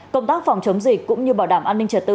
công tác phòng chống dịch cũng như bảo đảm an ninh trật tự